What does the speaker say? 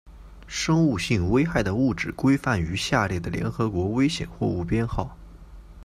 生物性危害的物质规范于下列的联合国危险货物编号